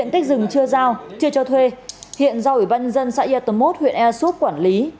tích rừng chưa giao chưa cho thuê hiện giao ủy ban dân xã yatomot huyện easup quản lý